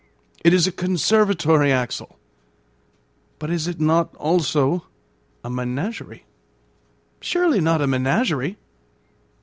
"It is a conservatory, Axel; but is it not also a menagerie?" "Surely not a menagerie!"